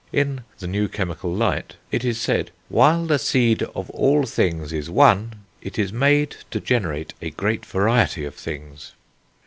In The New Chemical Light it is said: "While the seed of all things is one, it is made to generate a great variety of things."